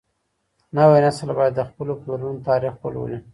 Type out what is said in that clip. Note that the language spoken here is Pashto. نوی نسل بايد د خپلو پلرونو تاريخ ولولي.